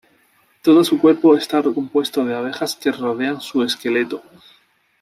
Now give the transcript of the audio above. Todo su cuerpo está compuesto de abejas que rodean su esqueleto.